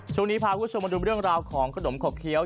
ช่วงนี้พาคุณผู้ชมมาดูเรื่องราวของขนมขบเคี้ยว